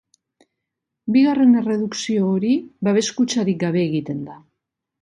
Bigarren erredukzio hori babes-kutxarik gabe egiten da.